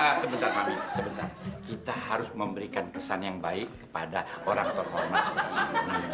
eh sebentar mami sebentar kita harus memberikan kesan yang baik kepada orang terhormat seperti ini